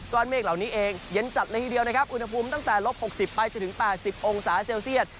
ก้อนเมฆเหล่านี้เองรับเกิดหนึ่งครับอุณหภูมิตั้งแต่ลบหกสิบไปจนถึงแปดสิบองศาเซลเซียต